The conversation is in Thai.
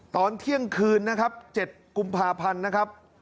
ตอนเที่ยงคืนนะครับ๗กุมภาพันธ์นะครับ